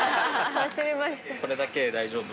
これだけで大丈夫？